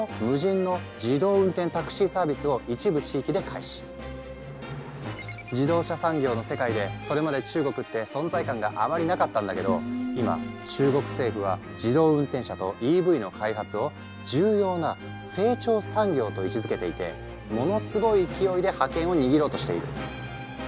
例えば自動車産業の世界でそれまで中国って存在感があまりなかったんだけど今中国政府は自動運転車とＥＶの開発を重要な成長産業と位置づけていてものすごい勢いで覇権を握ろうとしている。